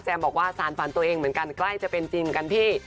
บอกว่าสารฝันตัวเองเหมือนกันใกล้จะเป็นจริงกันพี่